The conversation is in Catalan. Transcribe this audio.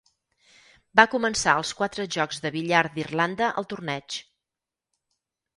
Va començar els quatre jocs de billar d'Irlanda al torneig.